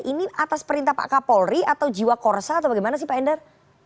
ini atas perintah pak kapolri atau jiwa korsa atau bagaimana sih pak endar